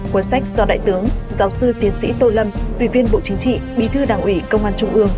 cuốn sách do đại tướng giáo sư tiến sĩ tô lâm ủy viên bộ chính trị bí thư đảng ủy công an trung ương